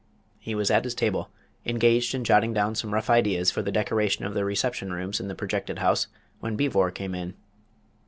He was at his table, engaged in jotting down some rough ideas for the decoration of the reception rooms in the projected house, when Beevor came in.